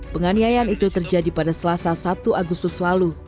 penganiayaan itu terjadi pada selasa satu agustus lalu